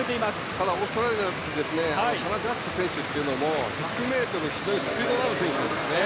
ただ、オーストラリアのシャナ・ジャック選手も１００ｍ、非常にスピードのある選手なんですね。